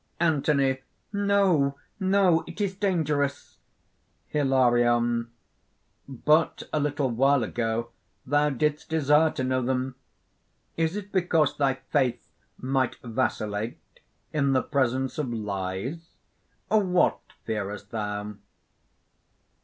ANTHONY. "No, no! it is dangerous!" HILARION. "But a little while ago thou didst desire to know them! Is it because thy faith might vacillate in the presence of lies? What fearest thou?"